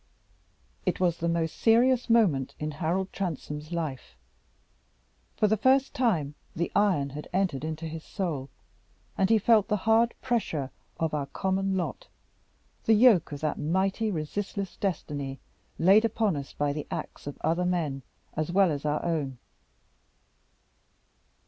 It was the most serious moment in Harold Transome's life; for the first time the iron had entered into his soul, and he felt the hard pressure of our common lot, the yoke of that mighty resistless destiny laid upon us by the acts of other men as well as our own.